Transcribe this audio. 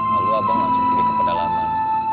lalu abang langsung pergi ke pedalaman